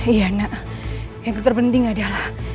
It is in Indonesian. iya nak yang terpenting adalah